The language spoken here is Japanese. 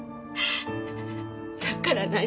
だから何？